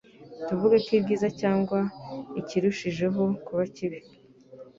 Tuvuge ko ibyiza, cyangwa ikirushijeho kuba kibi,